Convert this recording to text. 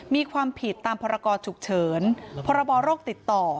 มีความผิดตามพรกรฉุกเฉินพรบโรคติดต่อ